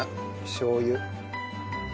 しょう油。